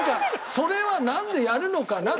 それはなんでやるのかな？と。